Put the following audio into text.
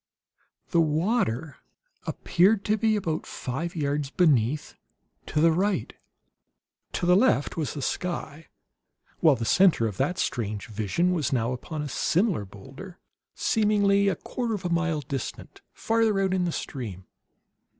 The water appeared to be about five yards beneath, to the right. To the left was the sky, while the center of that strange vision was now upon a similar boulder seemingly a quarter of a mile distant, farther out in the stream.